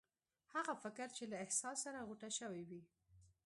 هغه فکر چې له احساس سره غوټه شوی وي.